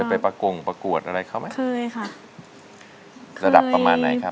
เคยไปประกงประกวดอะไรเข้าไหมระดับประมาณไหนครับเคยค่ะ